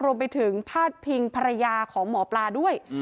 รวมไปถึงพาดพิงภรรยาของหมอปลาด้วย